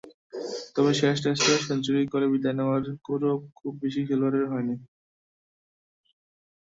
তবে শেষ টেস্টে সেঞ্চুরি করে বিদায় নেওয়ার গৌরব খুব বেশি খেলোয়াড়ের হয়নি।